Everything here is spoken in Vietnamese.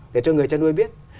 để cho người chân nuôi biết